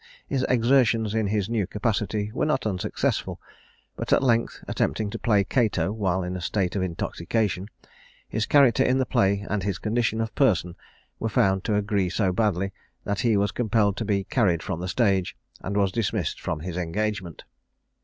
His exertions in his new capacity were not unsuccessful; but at length attempting to play Cato while in a state of intoxication, his character in the play and his condition of person were found to agree so badly, that he was compelled to be carried from the stage, and was dismissed from his engagement.